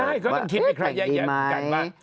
ใช่เขาก็ต้องคิดวิเคราะห์แยกแยกเหมือนกันว่า